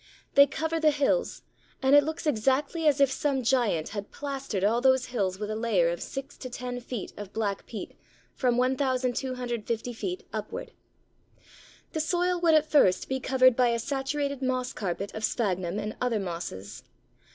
They cover the hills, and it looks exactly as if some giant had plastered all those hills with a layer of six to ten feet of black peat from 1250 feet upwards. The soil would at first be covered by a saturated moss carpet of Sphagnum and other mosses.